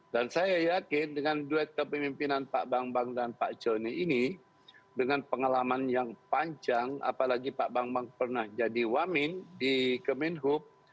dan saya yakin dengan duet kepemimpinan pak bambang dan pak joni ini dengan pengalaman yang panjang apalagi pak bambang pernah jadi wamin di kemenhub